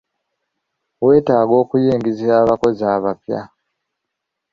Weetaaga okuyingiza abakozi abapya.